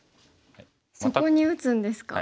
そこに打つんですか。